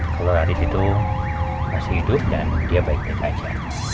kalau hari itu masih hidup dan dia baik baik saja